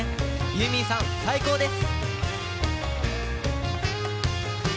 ユーミンさん、最高です。